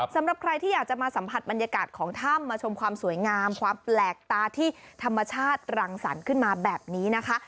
สำหรับใครที่อยากจะมาสัมผัสบรรยากาศของถ้ำมาชมความสวยงามความแปลกตาที่ธรรมชาติรังสรรค์ขึ้นมาแบบนี้นะคะ